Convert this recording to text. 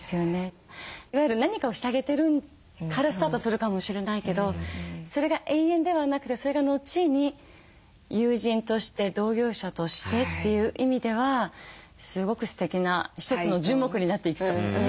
いわゆる何かをしてあげてるからスタートするかもしれないけどそれが永遠ではなくてそれが後に友人として同業者としてという意味ではすごくすてきな一つの樹木になっていきそう。